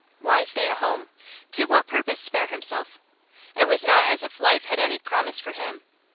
Why stay at home? To what purpose spare himself? It was not as if life had any promise for him.